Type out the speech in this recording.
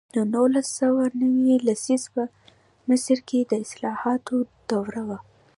د نولس سوه نوي لسیزه په مصر کې د اصلاحاتو دوره وه.